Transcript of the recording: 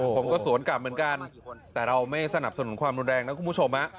ผมก็สวนกลับเหมือนกันแต่เราไม่สนับสนุนความรุนแรงนะคุณผู้ชม